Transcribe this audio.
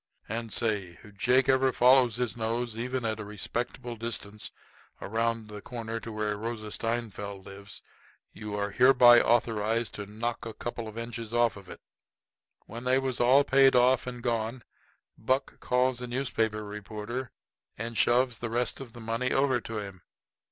And say if Jakey ever follows his nose, even at a respectful distance, around the corner where Rosa Steinfeld lives, you are hereby authorized to knock a couple of inches of it off." When they was all paid off and gone, Buck calls the newspaper reporter and shoves the rest of the money over to him.